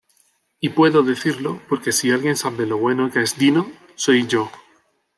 Y puedo decirlo porque si alguien sabe lo bueno que es Dino, soy yo.